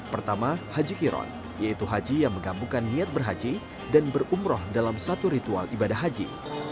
pertama haji kiron yaitu haji yang menggambungkan niat berhaji dan berumroh dalam satu ritual ibadah haji